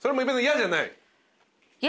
嫌じゃないです。